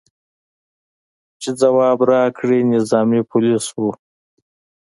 چې ځواب راکړي، نظامي پولیس و.